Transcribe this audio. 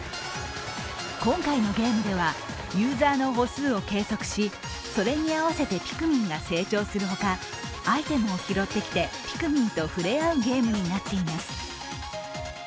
今回のゲームでは、ユーザーの歩数を計測し、それに合わせてピクミンが成長するほかアイテムを拾ってきてピクミンと触れ合うゲームになっています。